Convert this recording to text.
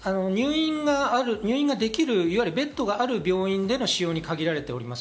入院ができる、ベッドがある病院での使用に限られております。